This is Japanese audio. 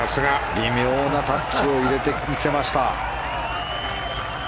微妙なタッチを入れて見せました。